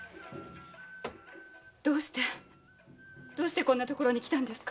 どうしてどうしてこんな所に来たんですか？